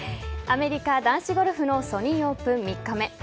アメリカ男子ゴルフのソニーオープン３日目。